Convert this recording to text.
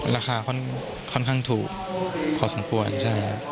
ราคาค่อนข้างถูกพอสมควร